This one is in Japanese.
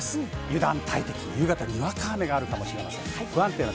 油断大敵、夕方にわか雨があるかもしれません。